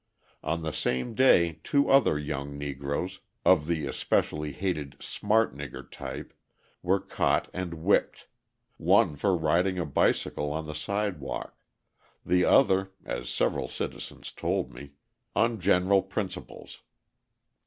On the same day two other young Negroes, of the especially hated "smart nigger" type, were caught and whipped one for riding a bicycle on the sidewalk, the other, as several citizens told me, "on general principles."